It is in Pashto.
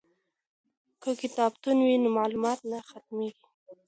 که کتابتون وي نو معلومات نه ختمیږي.